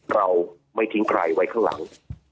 เราไม่ทิ้งใครไว้ข้างหลัง